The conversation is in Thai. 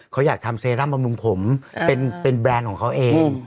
เขาอยากทำเซรั่มบำรุงผมเป็นแบรนด์ของเขาเอง